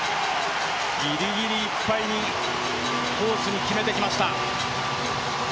ギリギリいっぱいにコースに決めてきました。